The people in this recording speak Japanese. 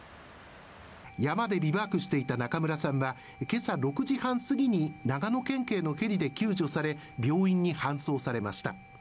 山でビバークしていた中村さんは今朝６時半過ぎに長野県警のヘリで救助され、病院に搬送されました。